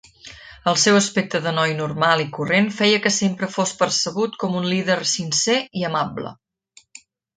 El seu aspecte de noi normal i corrent feia que sempre fos percebut com un líder sincer i amable.